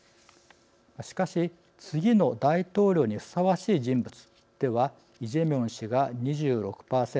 しかし次の大統領にふさわしい人物ではイ・ジェミョン氏が２６％